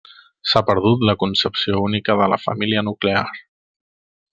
S'ha perdut la concepció única de la família nuclear.